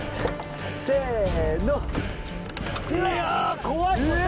せの。